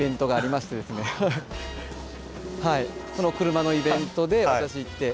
その車のイベントで私行って。